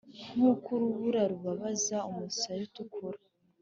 nkuko urubura rubabaza umusaya utukura.